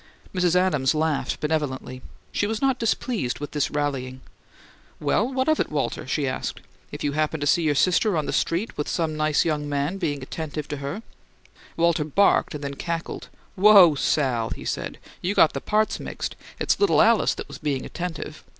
Mrs. Adams laughed benevolently; she was not displeased with this rallying. "Well, what of it, Walter?" she asked. "If you happen to see your sister on the street when some nice young man is being attentive to her " Walter barked and then cackled. "Whoa, Sal!" he said. "You got the parts mixed. It's little Alice that was 'being attentive.'